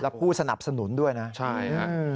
และผู้สนับสนุนด้วยนะใช่ฮะ